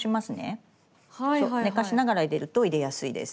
寝かしながら入れると入れやすいです。